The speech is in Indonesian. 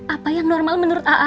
apa yang normal menurut a'a